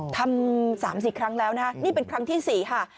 ทำ๓๔ครั้งแล้วนะนี่เป็นครั้งที่๔ค่ะ